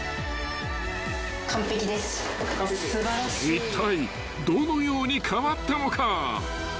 ［いったいどのように変わったのか］